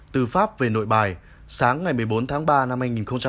từ pháp về nội bài sáng ngày một mươi bốn tháng ba năm hai nghìn hai mươi